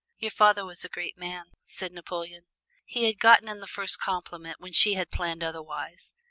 "Your father was a great man," said Napoleon. He had gotten in the first compliment when she had planned otherwise.